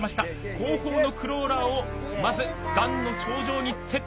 後方のクローラーをまず段の頂上にセット。